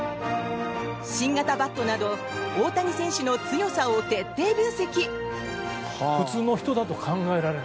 新型バットなど大谷選手の強さを徹底分析。